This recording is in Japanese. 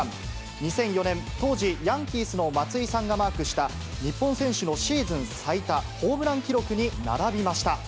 ２００４年、当時、ヤンキースの松井さんがマークした、日本選手のシーズン最多ホームラン記録に並びました。